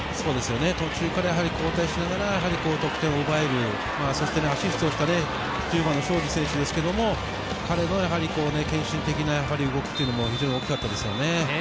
途中から交代しながら得点を奪える、アシストした１０番の庄司選手ですけど、彼の献身的な動きというのも大きかったですね。